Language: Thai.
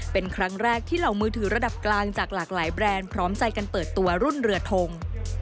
เป็นครั้งแรกที่เหล่ามือถือระดับกลางจากหลากหลายแบรนด์พร้อมใจกันเปิดตัวรุ่นเรือทง